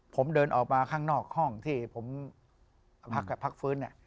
ผมเดินออกมาข้างนอกห้องที่ผมพักฟื้น